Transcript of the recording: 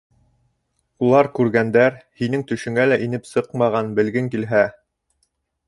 Улар күргәндәр һинең төшөңә лә инеп сыҡмаған, белгең килһә.